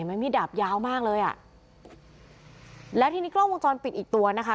มีดดาบยาวมากเลยอ่ะแล้วทีนี้กล้องวงจรปิดอีกตัวนะคะ